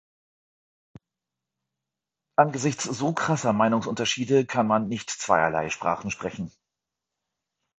Angesichts so krasser Meinungsunterschiede kann man nicht zweierlei Sprachen sprechen.